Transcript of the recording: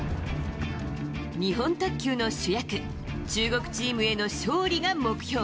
日本卓球の主役中国チームへの勝利が目標。